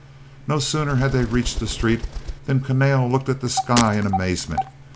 No sooner had they reached the street than Kahnale looked at the sky in amazement.